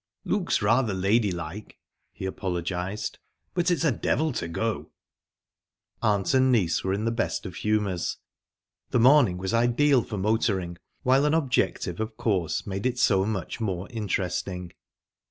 "Looks rather ladylike," he apologised, "but it's a devil to go." Aunt and niece were in the best of humours. The morning was ideal for motoring, while an objective, of course, made it so much more interesting.